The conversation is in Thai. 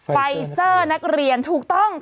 ไฟเซอร์นักเรียนถูกต้อง